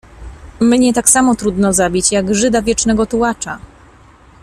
"Mnie tak samo trudno zabić, jak Żyda wiecznego tułacza."